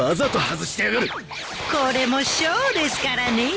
これもショーですからねぇ。